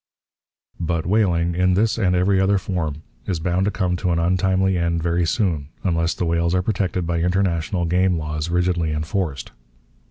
But whaling, in this and every other form, is bound to come to an untimely end very soon unless the whales are protected by international game laws rigidly enforced.